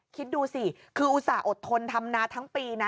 คิดดูสิคืออุตส่าหอดทนทำนาทั้งปีนะ